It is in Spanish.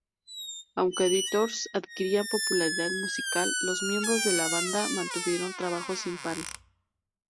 Aunque Editors adquirían popularidad musical, los miembros de la banda mantuvieron trabajos impares.